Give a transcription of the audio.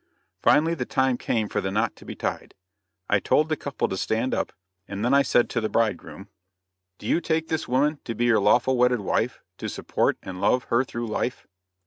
Finally the time came for the knot to be tied. I told the couple to stand up, and then I said to the bridegroom: "Do you take this woman to be your lawful wedded wife, to support and love her through life?"